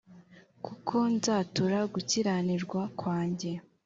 kuko nzatura gukiranirwa kwanjye